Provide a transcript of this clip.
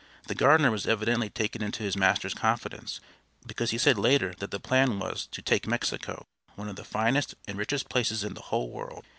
The gardener was evidently taken into his master's confidence, because he said later that the plan was "to take Mexico, one of the finest and richest places in the whole world."